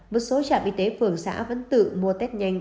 một số trạm y tế phường xã vẫn tự mua test nhanh